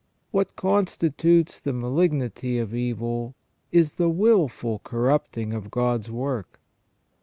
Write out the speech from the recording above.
What constitutes the malignity of evil is the wilful corrupting of God's work.